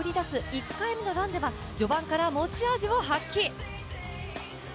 １回目のランでは序盤から持ち味を発揮。